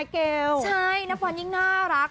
เกลใช่นับวันยิ่งน่ารัก